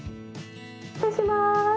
失礼します。